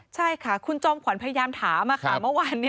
ใช่ค่ะคุณจอมขวัญพยายามถามเมื่อวาน